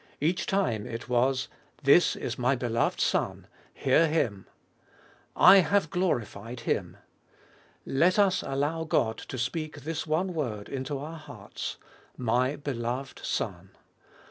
Each time it was :" This is My beloved Son : hear Him." " I have glorified Him." Let us allow God to speak this one word into our hearts— My beloved Son.